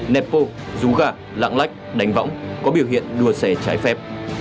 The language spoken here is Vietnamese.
nẹp vô rú ga lạng lách đánh võng có biểu hiện đua xe trái phép